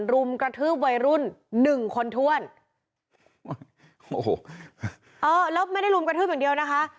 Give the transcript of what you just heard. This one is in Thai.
รุมกระทืบวัยรุ่นหนึ่งคนถ้วนโอ้โหเออแล้วไม่ได้รุมกระทืบอย่างเดียวนะคะ